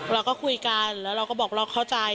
เราก็คุยกันแล้วเราก็บอกเราเข้าใจ